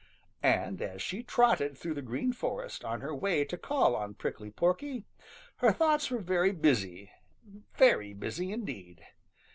And as she trotted through the Green Forest on her way to call on Prickly Porky, her thoughts were very busy, very busy indeed.